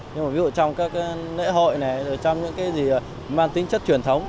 nhưng mà ví dụ trong các lễ hội này trong những cái gì mang tính chất truyền thống